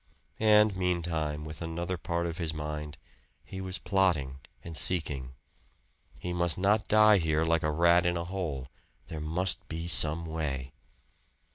And meantime, with another part of his mind, he was plotting and seeking. He must not die here like a rat in a hole. There must be some way.